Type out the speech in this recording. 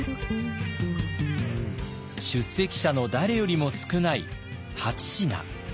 出席者の誰よりも少ない８品。